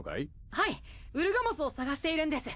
はいウルガモスを探しているんです。